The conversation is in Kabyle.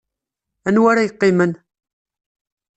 Anwa ara yeqqimen?